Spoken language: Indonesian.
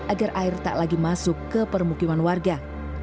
agar air tak lagi masuk ke permukiman warga